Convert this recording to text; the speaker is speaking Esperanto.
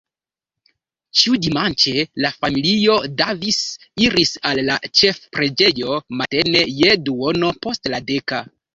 Ĉiudimanĉe la familio Davis iris al la ĉefpreĝejo, matene je duono post la deka.